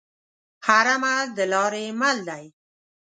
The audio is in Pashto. هر عمل دلارې مل دی.